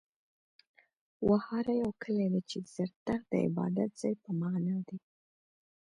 وهاره يو کلی دی، چې د زرتښت د عبادت ځای په معنا دی.